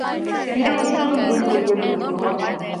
ބިޑު އުސޫލުން ބިން ކުއްޔަށް ދޫކުރުމަށް